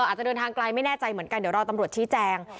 อาจจะเดินทางไกลไม่แน่ใจเหมือนกันเดี๋ยวรอตำรวจชี้แจง